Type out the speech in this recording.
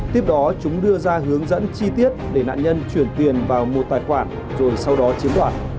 tiếp đó chúng đưa ra hướng dẫn chi tiết để nạn nhân chuyển tiền vào một tài khoản rồi sau đó chiếm đoạt